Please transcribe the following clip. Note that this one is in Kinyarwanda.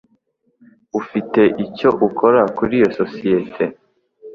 Ufite icyo ukora kuri iyo sosiyete?